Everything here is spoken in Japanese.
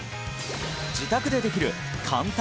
自宅でできる簡単！